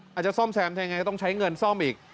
อาจจะซ่อมแซมยังไงก็ต้องใช้เงินซ่อมอีก